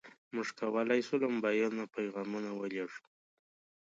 موږ کولی شو له موبایل نه پیغامونه ولېږو.